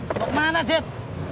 loh lo kemana jess